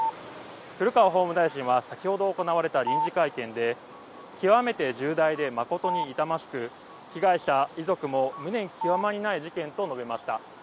古川法務大臣は先ほど行われた臨時会見で極めて重大で誠に痛ましく被害者、遺族も無念極まりない事件と述べました。